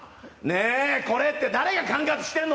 これって誰が管轄してるの？